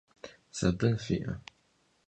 Sabın fi'e?